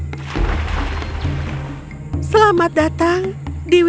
sebagusnya saya mendapatkan permintaan atatara